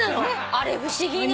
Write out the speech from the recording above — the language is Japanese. あれ不思議ね。